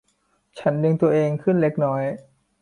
ฉันดึงตัวเองขึ้นเล็กน้อย